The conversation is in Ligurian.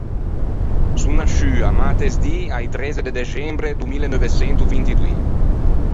Son nasciua mätesdì a-i trezze de dexembre do mille neuve çento vinti doî.